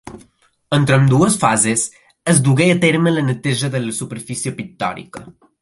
Entre ambdues fases, es dugué a terme la neteja de la superfície pictòrica.